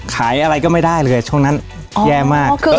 ขายอะไรก็ไม่ได้เลยเดี๋ยวช่วงนั้นอ้อแย่มากคือ